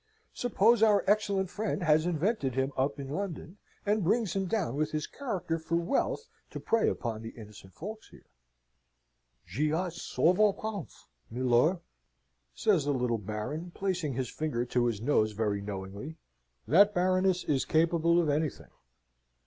Suppose our excellent friend has invented him up in London, and brings him down with his character for wealth to prey upon the innocent folks here?" "J'y ai souvent pense, milor," says the little Baron, placing his finger to his nose very knowingly, "that Baroness is capable of anything."